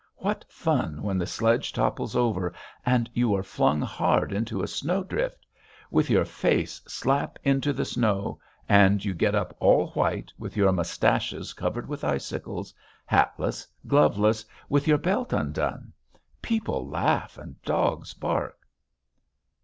What fun when the sledge topples over and you are flung hard into a snow drift; with your face slap into the snow, and you get up all white with your moustaches covered with icicles, hatless, gloveless, with your belt undone.... People laugh and dogs bark....